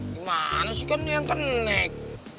dimana sih kan ini yang teneg